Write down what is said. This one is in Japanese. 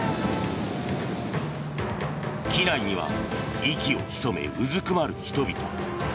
機内には息を潜め、うずくまる人々。